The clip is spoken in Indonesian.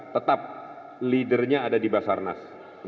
tetap leadernya ada di basarnas